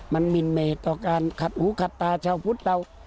มันหมินเมตต่อการขัดหูขัดตาชาวพุทธเรา